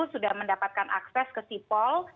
sudah mendapatkan akses ke sipol